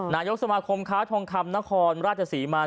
นายกสมาคมค้าทองคำนครราชศรีมา